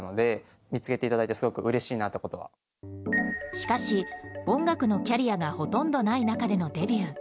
しかし、音楽のキャリアがほとんどない中でのデビュー。